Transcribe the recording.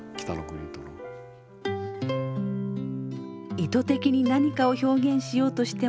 意図的に何かを表現しようとしても伝わらない。